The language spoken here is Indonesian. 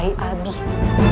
pertama kali abi